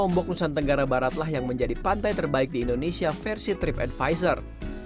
lombok nusa tenggara baratlah yang menjadi pantai terbaik di indonesia versi trip advisor